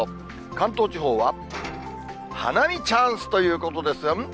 関東地方は花見チャンスということですが、うん？